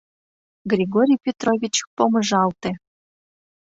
— Григорий Петрович помыжалте.